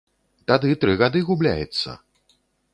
Тады тры гады губляецца!